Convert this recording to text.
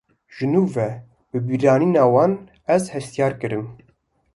Ji nû ve bibîranîna wan, ez hestyar kirim